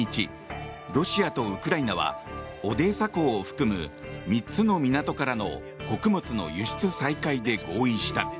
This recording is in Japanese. ロシアとウクライナはオデーサ港を含む３つの港からの穀物の輸出再開で合意した。